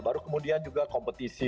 baru kemudian juga kompetisi